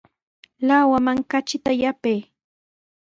Lawaman katrita yapay.